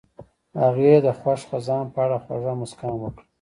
هغې د خوښ خزان په اړه خوږه موسکا هم وکړه.